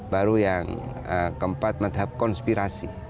baru yang keempat madhab konspirasi